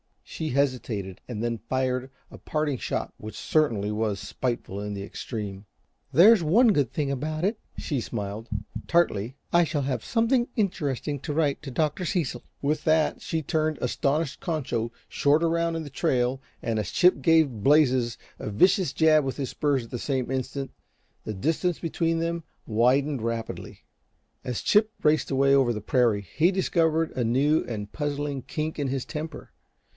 She hesitated, and then fired a parting shot which certainly was spiteful in the extreme. "There's one good thing about it," she smiled, tartly, "I shall have something interesting to write to Dr. Cecil." With that she turned astonished Concho short around in the trail and as Chip gave Blazes a vicious jab with his spurs at the same instant, the distance between them widened rapidly. As Chip raced away over the prairie, he discovered a new and puzzling kink in his temper.